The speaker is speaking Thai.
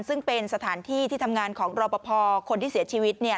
ซึ่งเป็นสถานที่ที่ทำงานของรอปภคนที่เสียชีวิตเนี่ย